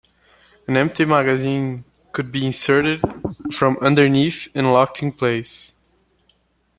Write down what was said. An empty magazine could be inserted from underneath and locked in place.